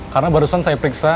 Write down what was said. karena barusan saya periksa